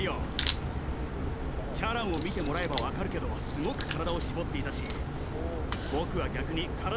チャランを見てもらえばわかるけどすごく体を絞っていたし。